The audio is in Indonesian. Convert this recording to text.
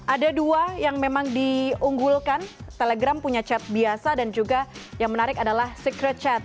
ada dua yang memang diunggulkan telegram punya chat biasa dan juga yang menarik adalah secret chat